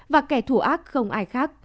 và kẻ thù ác không ai khác